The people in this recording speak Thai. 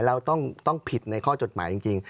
เราต้องผิดในข้อจดหมายจริง